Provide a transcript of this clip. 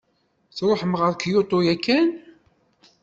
Tṛuḥem ɣer Kyoto yakan?